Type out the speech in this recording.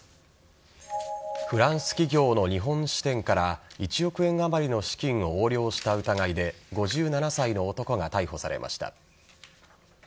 フランス企業の日本支店から１億円あまりの資金を横領した疑いで５７歳の男が逮捕されました。